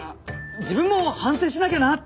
自分も反省しなきゃなって。